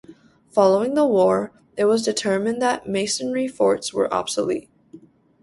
Following the war, it was determined that masonry forts were obsolete.